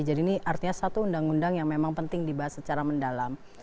jadi ini artinya satu undang undang yang memang penting dibahas secara mendalam